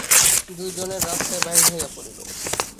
দুইজনে রাস্তায় বাহির হইয়া পড়িল।